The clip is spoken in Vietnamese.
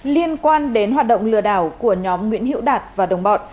liên quan đến hoạt động lừa đảo của nhóm nguyễn hiễu đạt và đồng bọn